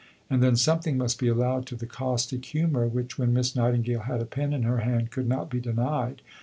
And then something must be allowed to the caustic humour which, when Miss Nightingale had a pen in her hand, could not be denied.